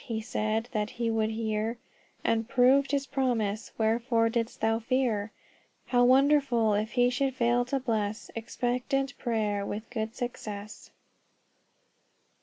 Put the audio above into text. he said that he would hear, And proved his promise, wherefore didst thou fear? How wonderful if he should fail to bless Expectant prayer with good success!"